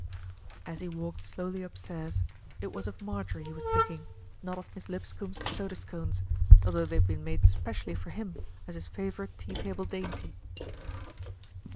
As he walked slowly upstairs, it was of Marjorie he was thinking, not of Miss Lipscombe's soda scones, although they had been made specially for him as his favourite tea table dainty.